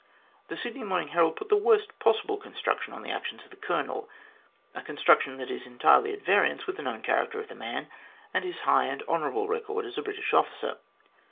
The Sydney Morning Herald put the worst possible con struction on the actions of the Colonel a construction that is entirely at variance with the known character of the man and his high and honourable record as a British officer.